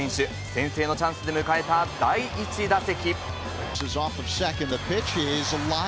先制のチャンスで迎えた第１打席。